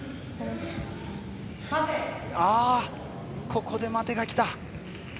ここで待てが来た。